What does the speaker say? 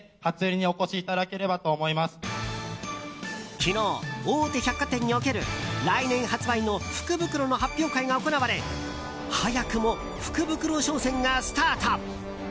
昨日、大手百貨店における来年発売の福袋の発表会が行われ早くも福袋商戦がスタート！